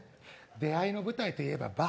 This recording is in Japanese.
出会いの舞台と言えばな